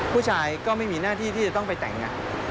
ผู้ชายก็ไม่มีหน้าที่ที่จะต้องไปแต่งงาน